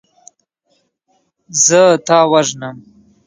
زه تا وژنم.